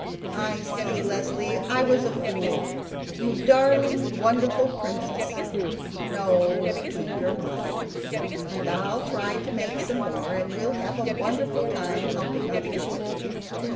"I see, Leslie! I was a fool. You darling, wonderful princess. No, keep your money and I'll try to make some more and we'll have a wonderful time helping others with it.